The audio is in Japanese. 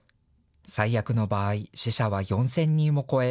最悪の場合、死者は４０００人を超え